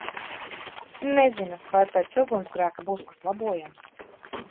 Nezinu, vai pēc ugunsgrēka būs kas labojams